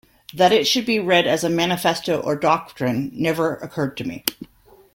That it should be read as a manifesto or doctrine never occurred to me.